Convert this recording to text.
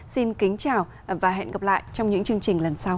xin kính chào và hẹn gặp lại trong những chương trình lần sau